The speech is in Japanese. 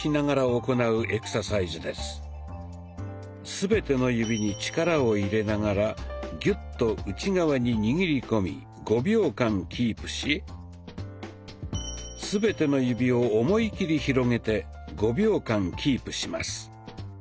全ての指に力を入れながらギュッと内側に握り込み５秒間キープし全ての指を思い切り広げて５秒間キープします。